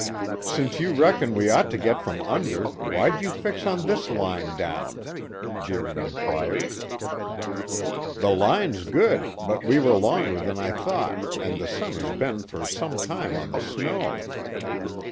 "Since you reckon we ought to get from under, why'd you fix on this line down?" Deering inquired. "The line's good, but we were longer than I thought, and the sun has been for some time on the snow."